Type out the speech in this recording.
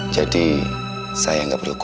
jadi saya tidak pernah mengingatmu